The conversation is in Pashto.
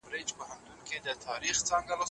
د تفسير موضوع د رب العالمين کلام دی.